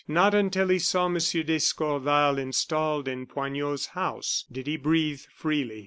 Not until he saw M. d'Escorval installed in Poignot's house did he breathe freely.